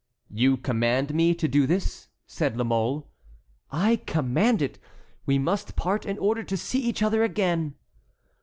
"You command me to do this?" said La Mole. "I command it. We must part in order to see each other again."